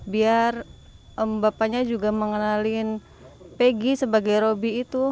biar bapaknya juga mengenalin peggy sebagai roby itu